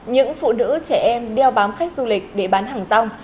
những phụ nữ trẻ em đeo bám khách du lịch để bán hàng rong